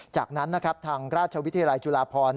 จากนั้นนะครับทางราชวิทยาลัยจุฬาพร